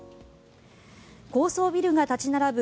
高層ビルが立ち並ぶ